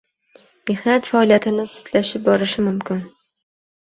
Mehnat faoliyati sustlashib borishi mumkin